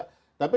tapi sekarang itu